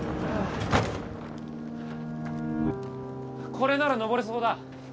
これなら登れそうだ